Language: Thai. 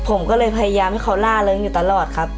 ผมก็เลยพยายามให้เขาล่าเริงอยู่ตลอดครับ